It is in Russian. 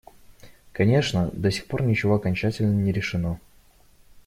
Конечно, до сих пор ничего окончательно не решено.